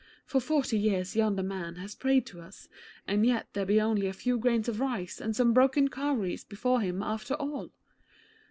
For forty years yonder man has prayed to us, and yet there be only a few grains of rice and some broken cowries before him after all.